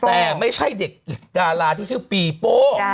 แต่ไม่ใช่เด็กดาราที่ชื่อปีโป้